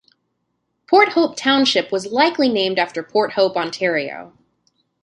Port Hope Township was likely named after Port Hope, Ontario.